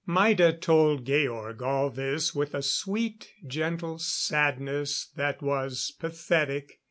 Maida told Georg all this with a sweet, gentle sadness that was pathetic.